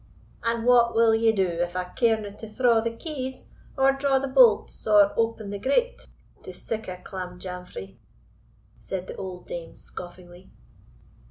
"And what will ye do, if I carena to thraw the keys, or draw the bolts, or open the grate to sic a clamjamfrie?" said the old dame, scoffingly.